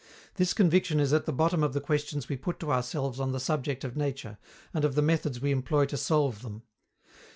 This conviction is at the bottom of the questions we put to ourselves on the subject of nature, and of the methods we employ to solve them.